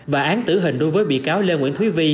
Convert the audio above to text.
và án tử hình đối với bị cáo lê nguyễn thúy vi